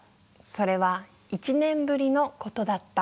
それは、一年ぶりのことだった」。